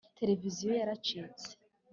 televiziyo yaracitse.